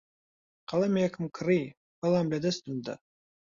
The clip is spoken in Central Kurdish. قەڵەمێکم کڕی، بەڵام لەدەستم دا.